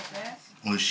おいしい。